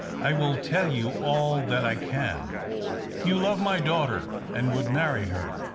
I will tell you all that I can." " You love my daughter, and would marry her